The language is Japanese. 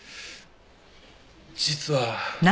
実は。